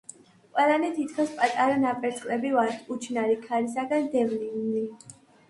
“ყველანი თითქოს პატარა ნაპერწკლები ვართ, უჩინარი ქარისაგან დევნილნი.”